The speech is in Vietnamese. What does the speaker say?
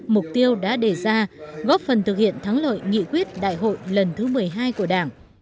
mục tiêu đã đề ra góp phần thực hiện thắng lợi nghị quyết đại hội lần thứ một mươi hai của đảng